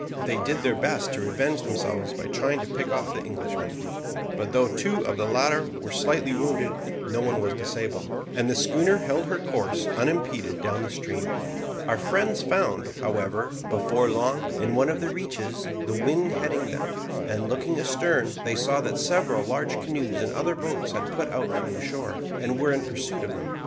They did their best to revenge themselves by trying to pick off the Englishmen; but though two of the latter were slightly wounded, no one was disabled, and the schooner held her course unimpeded down the stream. Our friends found, however, before long, in one of the reaches, the wind heading them; and, looking astern, they saw that several large canoes and other boats had put out from the shore, and were in pursuit of them.